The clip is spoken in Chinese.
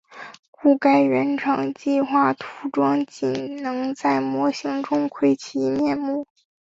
故该原厂计画涂装仅能在模型中一窥其面目。